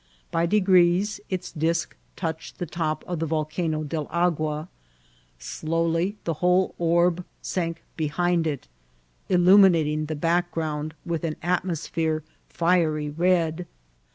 By de grees, its disk touched the top of the Volcano del Agua ; riowly the whole orb sank behind it, illnminating the background with an atmosphere fiery red.